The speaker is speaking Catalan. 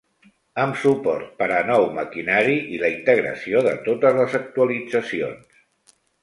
Amb suport per a nou maquinari i la integració de totes les actualitzacions